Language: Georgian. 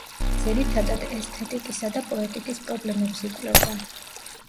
ძირითადად ესთეტიკისა და პოეტიკის პრობლემებს იკვლევდა.